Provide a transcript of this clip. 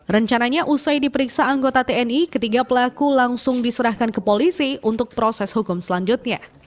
rencananya usai diperiksa anggota tni ketiga pelaku langsung diserahkan ke polisi untuk proses hukum selanjutnya